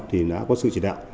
thì đã có sự chỉ đạo